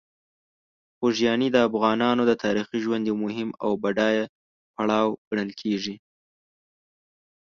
خوږیاڼي د افغانانو د تاریخي ژوند یو مهم او بډایه پړاو ګڼل کېږي.